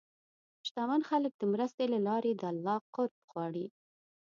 شتمن خلک د مرستې له لارې د الله قرب غواړي.